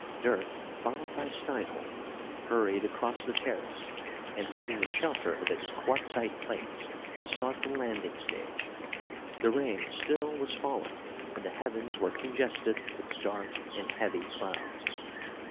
Dirk, followed by Steinholt, hurried across the terrace and, leaving the shelter of its quartzite plates, sought the landing stage. The rain still was falling and the heavens were congested with dark and heavy clouds.